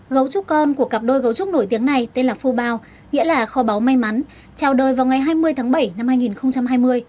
gấu trúc con của cặp đôi gấu trúc nổi tiếng này tên là phu bao nghĩa là kho báo may mắn trao đời vào ngày hai mươi tháng bảy năm hai nghìn hai mươi